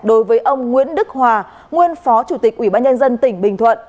đối với ông nguyễn đức hòa nguyên phó chủ tịch ủy ban nhân dân tỉnh bình thuận